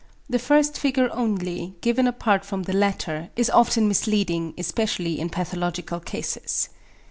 The first figure only, given apart from the latter, is often misleading, especially in pathological cases.